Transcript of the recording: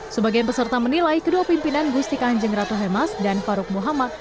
sebagian peserta menilai kedua pimpinan gusti kanjeng ratu hemas dan farouk muhammad